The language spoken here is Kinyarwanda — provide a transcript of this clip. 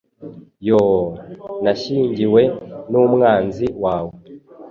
Yoo, nashyingiwe n'umwanzi wawe!